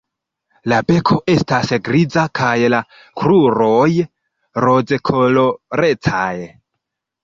La beko estas griza kaj la kruroj rozkolorecaj.